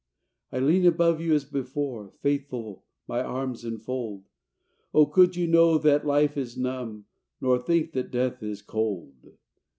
I lean above you as before, Faithful, my arms enfold. Oh, could you know that life is numb, Nor think that death is cold!